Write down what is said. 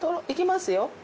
いきますよ。